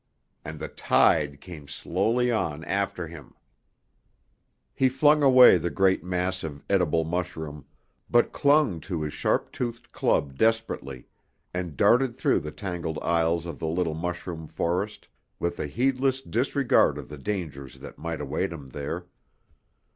And the tide came slowly on after him. He flung away the great mass of edible mushroom, but clung to his sharp toothed club desperately, and darted through the tangled aisles of the little mushroom forest with a heedless disregard of the dangers that might await him there.